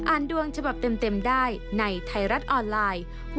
อ่านดวงฉบับเต็มเต็มได้ในไทยรัฐออนไลน์